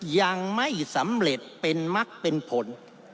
ยังไม่สำเร็จเป็นมักเป็นผล